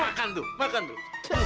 makan tuh makan tuh